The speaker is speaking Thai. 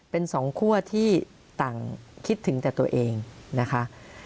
เป็นสองคั่วที่ต่างคิดถึงแต่ตัวเองนะคะ